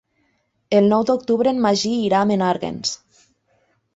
El nou d'octubre en Magí irà a Menàrguens.